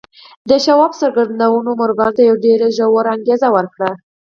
د شواب څرګندونو مورګان ته يوه ژوره انګېزه ورکړه.